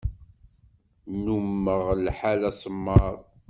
Nnummeɣ lḥal asemmaḍ.